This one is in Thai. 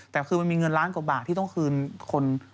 แต่คือมันมีเงินล้านกว่าบาทที่ต้องคืนคน